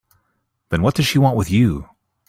Then what does she want with you?